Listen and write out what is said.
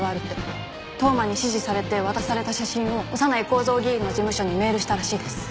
当麻に指示されて渡された写真を小山内幸三議員の事務所にメールしたらしいです。